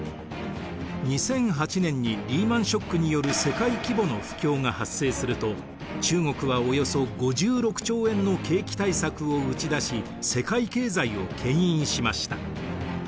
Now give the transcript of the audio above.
２００８年にリーマンショックによる世界規模の不況が発生すると中国はおよそ世界経済をけん引しました。